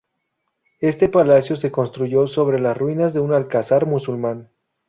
Este palacio se construyó sobre las ruinas de un alcázar musulmán.